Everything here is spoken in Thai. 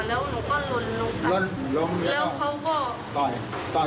แล้วก็เขาก็ทำ